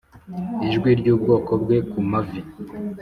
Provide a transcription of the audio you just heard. ijwi ry'ubwoko bwe ku mavi